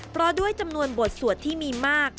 เพราะด้วยจำนวนบทสวดที่มีมาก